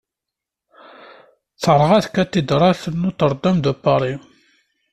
Terɣa tkatidralt n Notre-Dame de Paris.